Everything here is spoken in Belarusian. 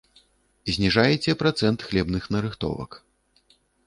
Зніжаеце працэнт хлебных нарыхтовак.